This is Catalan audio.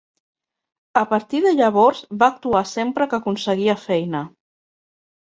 A partir de llavors va actuar sempre que aconseguia feina.